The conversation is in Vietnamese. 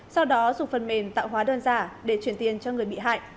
sau đó dùng phần mềm tạo hóa đơn giả để chuyển tiền cho người bị hại